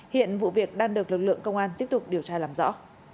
hiện vụ việc đang được lực lượng công an tiếp tục điều tra làm rõ